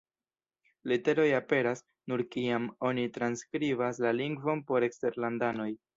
Literoj aperas, nur kiam oni transskribas la lingvon por eksterlandanoj.